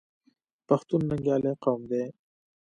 پښتون ننګیالی قوم دی.